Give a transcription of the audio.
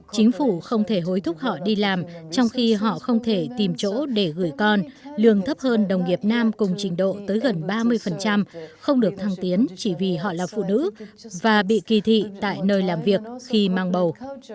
chính phủ không thể hối thúc họ đi làm trong khi họ không thể tìm chỗ để gửi con đường thấp hơn đồng nghiệp nam cùng trình độ tới gần ba mươi không được thăng tiến chỉ vì họ là phụ nữ và bị kỳ thị tại nơi làm việc khi mang bầu